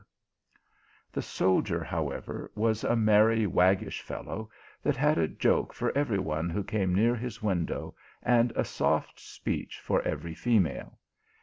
266 THE ALHAMBRA, The soldier, moreover, was a meriy, waggish fel low, that had a joke for every one who cajne near his window, and a soft speech for every female.